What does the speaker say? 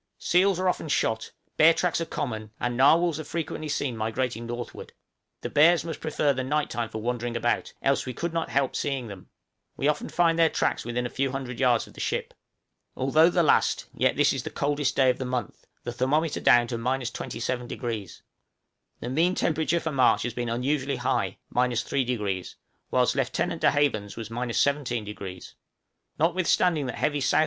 Seals are often shot, bear tracks are common, and narwhals are frequently seen migrating northward. The bears must prefer the night time for wandering about, else we could not help seeing them; we often find their tracks within a few hundred yards of the ship. Although the last, yet this is the coldest day of the month the thermometer down to 27°. The mean temperature for March has been unusually high, 3°; whilst Lieutenant De Haven's was 17°. Notwithstanding that heavy S.E.